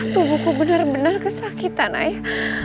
tubuhku bener bener kesakitan ayah